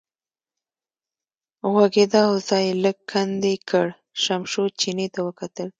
غوږېده او ځای یې لږ کندې کړ، شمشو چیني ته وکتل.